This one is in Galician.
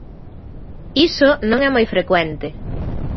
Iso non é moi frecuente.